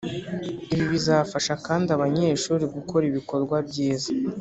ibi bizafasha kandi abanyeshuri gukora ibikorwa byiza